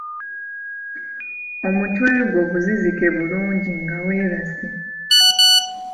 Omutwe gwo guzizike bulungi nga weebase.